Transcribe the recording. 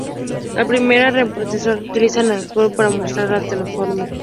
La primera temporada utiliza la analepsis para mostrar su trasfondo.